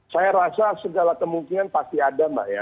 saya rasa segala kemungkinan pasti ada mbak ya